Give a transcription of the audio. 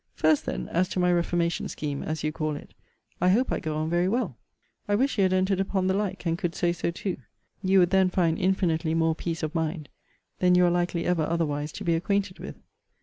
First, then, as to my reformation scheme, as you call it, I hope I go on very well. I wish you had entered upon the like, and could say so too. You would then find infinitely more peace of mind, than you are likely ever otherwise to be acquainted with.